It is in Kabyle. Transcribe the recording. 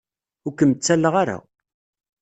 Ur kem-ttalleɣ ara.